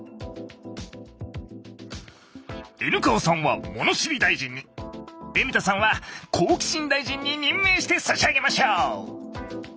Ｎ川さんはものしり大臣にＮ田さんは好奇心大臣に任命して差し上げましょう。